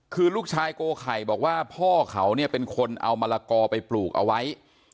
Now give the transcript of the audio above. คือลูกชายโกไข่บอกว่าพ่อเขาเนี่ยเป็นคนเอามะละกอไปปลูกเอาไว้